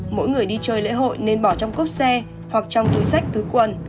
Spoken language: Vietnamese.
mỗi người đi chơi lễ hội nên bỏ trong cốc xe hoặc trong túi sách túi quần